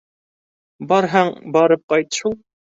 — Барһаң, барып ҡайт шул.